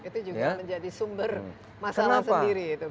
itu juga menjadi sumber masalah sendiri itu